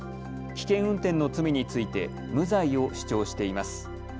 危険運転の罪について無罪を主張しています。